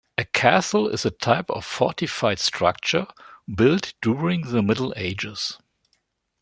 A castle is a type of fortified structure built during the Middle Ages.